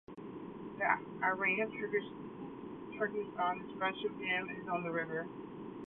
The Iran-Turkmenistan Friendship Dam is on the river.